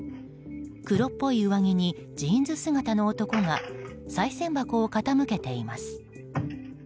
黒っぽい上着にジーンズ姿の男がさい銭箱を傾けています。